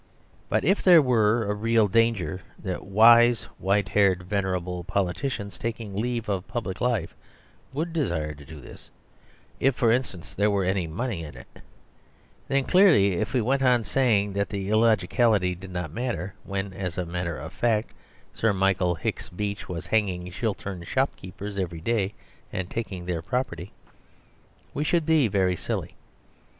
But if there were a real danger that wise, white haired, venerable politicians taking leave of public life would desire to do this (if, for instance, there were any money in it), then clearly, if we went on saying that the illogicality did not matter, when (as a matter of fact) Sir Michael Hicks Beach was hanging Chiltern shop keepers every day and taking their property, we should be very silly.